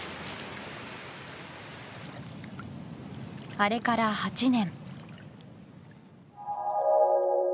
あれから８年。